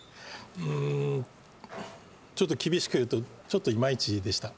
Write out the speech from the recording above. うーんちょっと厳しく言うとちょっといまいちでした